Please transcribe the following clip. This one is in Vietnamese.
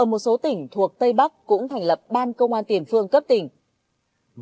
một số tỉnh thuộc tây bắc cũng thành lập ban công an tiền phương cấp tỉnh